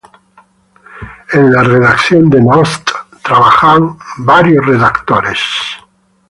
En la redacción de n-ost trabajan varios redactores.